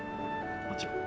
もちろん。